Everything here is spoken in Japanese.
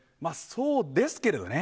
そうですけどもね。